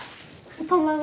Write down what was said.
こんばんは。